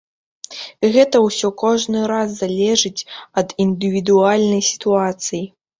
Гэта ўсё кожны раз залежыць ад індывідуальнай сітуацыі.